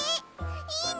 いいね！